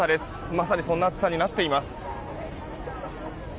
まさにそんな暑さになっています。